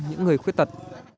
những người khuyết tật